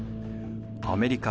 アメリカ